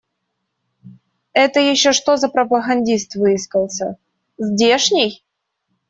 Это еще что за пропагандист выискался? Здешний?